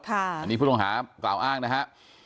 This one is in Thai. อันนี้ผู้ต้องหากล่าวอ้างนะฮะ